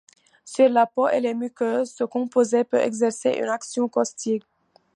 Sur la peau et les muqueuses, ce composé peut exercer une action caustique.